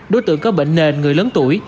đối tượng có bệnh nền người lớn tuổi